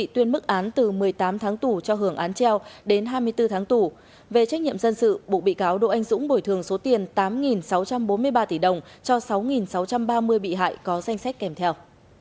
tuyên mức án từ một mươi tám tháng tù cho hưởng án treo đến hai mươi bốn tháng tù về trách nhiệm dân sự bộ bị cáo đỗ anh dũng bồi thường số tiền tám sáu trăm bốn mươi ba tỷ đồng cho sáu sáu trăm ba mươi bị hại có danh sách kèm theo